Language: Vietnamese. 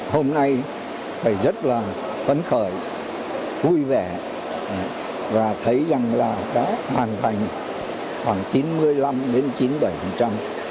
hôm nay tôi rất là tấn khởi vui vẻ và thấy rằng là đã hoàn thành khoảng chín mươi năm chín mươi bảy